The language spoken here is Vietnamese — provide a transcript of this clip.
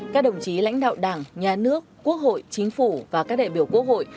các đồng chí lãnh đạo đảng nhà nước quốc hội chính phủ và các đại biểu quốc hội